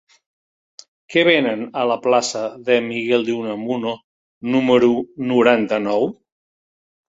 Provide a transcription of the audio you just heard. Què venen a la plaça de Miguel de Unamuno número noranta-nou?